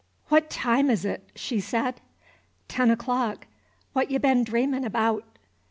"What time is 't?" she said. "Ten o'clock. What y' been dreamin' abaout?